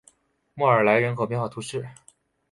莫尔莱人口变化图示